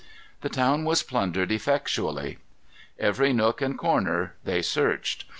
The town was plundered effectually. Every nook and corner they searched.